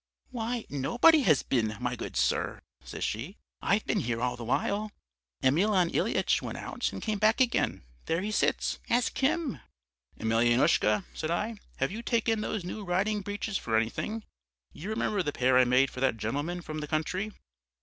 "'Why, nobody has been, my good sir,' says she; 'I've been here all the while; Emelyan Ilyitch went out and came back again; there he sits, ask him.' "'Emelyanoushka,' said I, 'have you taken those new riding breeches for anything; you remember the pair I made for that gentleman from the country?'